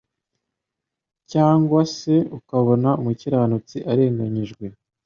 cyangwa se ukabona umukiranutsi arenganyijwe.